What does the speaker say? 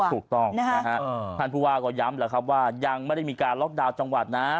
ถูกต้องคันภูวาก็ย้ำว่ายังไม่ได้มีการล็อคดาวน์จังหวัด